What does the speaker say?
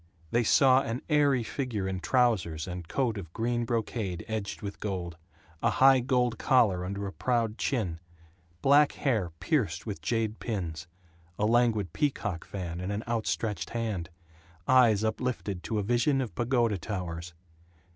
They saw an airy figure in trousers and coat of green brocade edged with gold; a high gold collar under a proud chin; black hair pierced with jade pins; a languid peacock fan in an out stretched hand; eyes uplifted to a vision of pagoda towers.